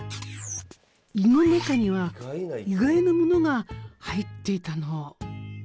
胃の中には意外なものが入っていたの。